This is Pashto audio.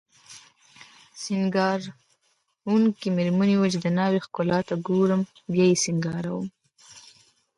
سینګاروونکې میرمنې وویل چې د ناوې ښکلا ته ګورم بیا یې سینګاروم